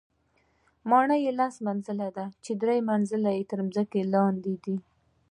ماڼۍ یې لس منزله ده، چې درې منزله یې تر ځمکې لاندې دي.